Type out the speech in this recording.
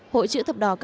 hội chữ thập đỏ